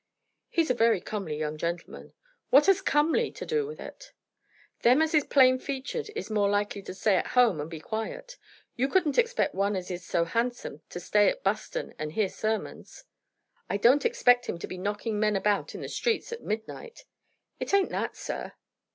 "He's a very comely young gentleman." "What has comely to do with it?" "Them as is plain featured is more likely to stay at home and be quiet. You couldn't expect one as is so handsome to stay at Buston and hear sermons." "I don't expect him to be knocking men about in the streets at midnight." "It ain't that, sir."